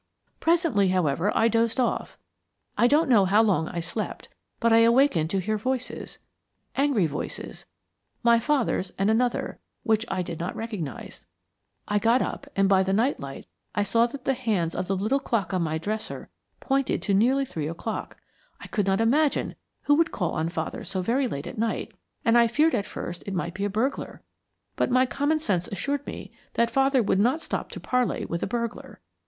"Presently, however, I dozed off. I don't know how long I slept, but I awakened to hear voices angry voices, my father's and another, which I did not recognize. I got up and by the night light I saw that the hands of the little clock on my dresser pointed to nearly three o'clock. I could not imagine who would call on father so very late at night, and I feared at first it might be a burglar, but my common sense assured me that father would not stop to parley with a burglar.